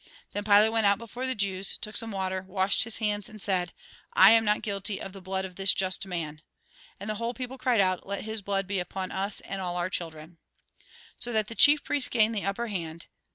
Then Pilate went out before the Jews, took some water, washed his hands, and said :" I am not guilty of the blood of this just man." And the whole people cried out :" Let his blood be upon us and all our children." So that the chief priests gained the upper hand.